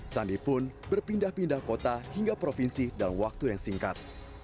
sandi pun berpindah pindah kota hingga provinsi dalam waktu yang singkat